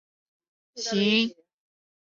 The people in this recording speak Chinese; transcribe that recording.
费希新萨托菌是费氏曲霉的有性型。